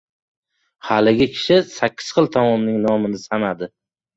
Xaligi kishi sakkiz xil taomning nomini sanadi.